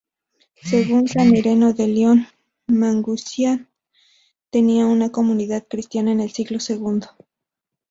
Según San Ireneo de Lyon, Maguncia tenía una comunidad cristiana en el siglo segundo.